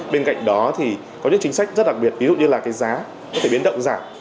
bên cạnh đó thì có những chính sách rất đặc biệt ví dụ như là cái giá có thể biến động giảm